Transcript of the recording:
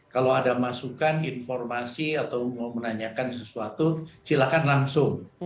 kalau ada masukan informasi atau mau menanyakan sesuatu silakan langsung